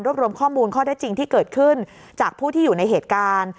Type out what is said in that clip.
รวมข้อมูลข้อได้จริงที่เกิดขึ้นจากผู้ที่อยู่ในเหตุการณ์